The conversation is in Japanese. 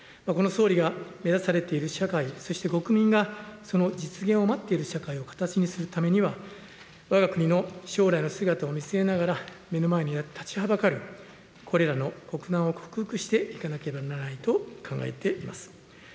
この総理が目指されている社会、そして国民がその実現を待っている社会を形にするためには、わが国の将来の姿を見据えながら、目の前に立ちはばかるこれらの国難を克服していかなければならないと考えています。